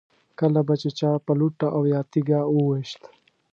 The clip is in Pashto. کله به چې چا په لوټه او یا تیږه و ویشت.